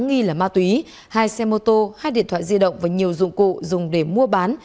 nghi là ma túy hai xe mô tô hai điện thoại di động và nhiều dụng cụ dùng để mua bán